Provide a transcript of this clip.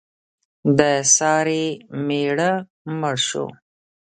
د سارې مېړه مړ شو.